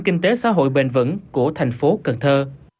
kinh tế xã hội bền vững của thành phố cần thơ